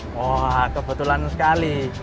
wah kebetulan sekali